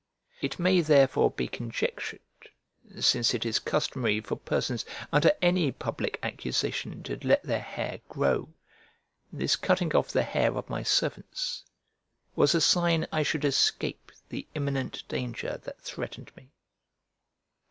It may therefore be conjectured, since it is customary for persons under any public accusation to let their hair grow, this cutting off the hair of my servants was a sign I should escape the imminent danger that threatened me.